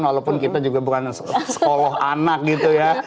walaupun kita juga bukan sekolah anak gitu ya